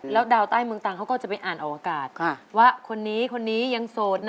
แล้วดาวใต้เมืองตังเขาก็จะไปอ่านออกอากาศว่าคนนี้คนนี้ยังโสดนะ